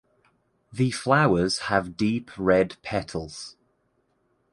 The flowers have deep red petals.